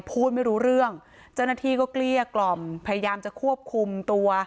พูดไม่รู้เรื่องเจ้าหน้าที่ก็เกลี้ยกล่อมพยายามจะควบคุมตัว